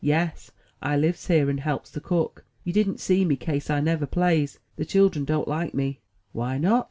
"Yes: I lives here, and helps de cook. You didn't see me, kase I never plays, de chil'en don't like me." "Why not?"